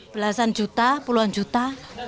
belasan juta puluhan juta